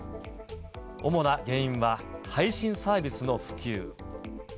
主な原因は配信サービスの普及。